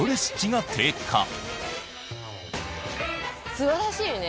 素晴らしいね！